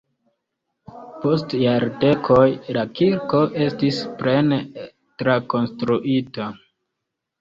Post jardekoj la kirko estis plene trakonstruita.